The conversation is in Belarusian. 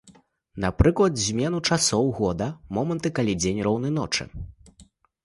Напрыклад, змену часоў года, моманты, калі дзень роўны ночы.